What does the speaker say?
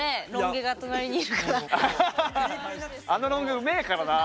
あのロン毛うめえからな。